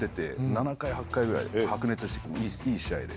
７回８回ぐらい白熱したいい試合で。